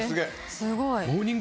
すごい！